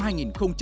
đang kết thúc